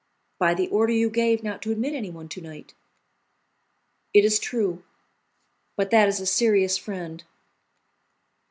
"By the order you gave not to admit anyone to night." "It is true; but that is a serious friend."